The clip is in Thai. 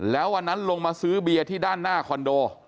แล้ววันนั้นลงมาซื้อเบียร์ที่ด้านหน้าคอนโด